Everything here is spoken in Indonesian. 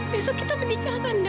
besok kita menikah kan do